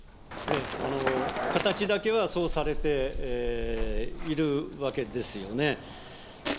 形だけはそうされているわけですよね。